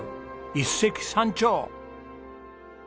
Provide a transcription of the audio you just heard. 一石三鳥！